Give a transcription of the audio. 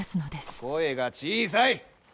声が小さい！